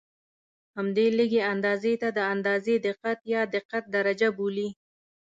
همدې لږې اندازې ته د اندازې دقت یا دقت درجه بولي.